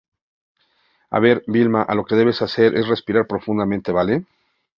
a ver, Vilma, lo que debes hacer es respirar profundamente, ¿ vale?